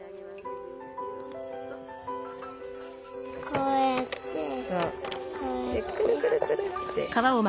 こうやってこうやって。でくるくるくるって。